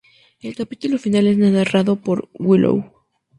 El capítulo final es narrado por Willow.